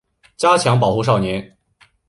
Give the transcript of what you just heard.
加强保护少年